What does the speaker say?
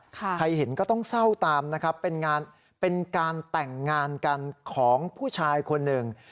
ใครเห็นก็ต้องเศร้าตามเป็นการแต่งงานกันของผู้ชายคนหนึ่ง